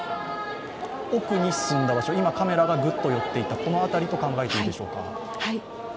奥に進んだ場所、今、カメラがぐっと寄っていた場所と考えていいでしょうか。